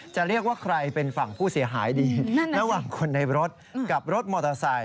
จะเรียกว่าใครเป็นฝั่งผู้เสียหายดีระหว่างคนในรถกับรถมอเตอร์ไซค